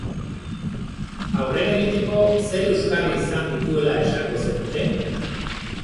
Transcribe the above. Aurrera egiteko zer euskarri izan dituela esango zenuke?